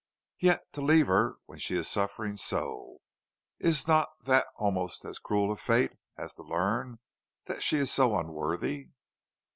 Yet to leave her when she is suffering so! Is not that almost as cruel a fate as to learn that she is so unworthy?"